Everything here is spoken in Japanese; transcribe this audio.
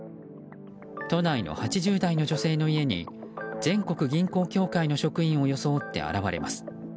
都内の８０代の女性の家に全国銀行協会の職員を装って現れます。